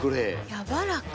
やわらか。